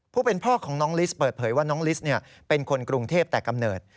ผู้เป็นพ่อของน้องลิสเปิดเผยว่าน้องลิสเป็นคนกรุงเทพแต่กำเนิด